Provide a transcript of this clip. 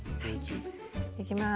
いきます。